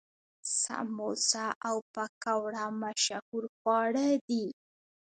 سموسه او پکوړه مشهور خواړه دي.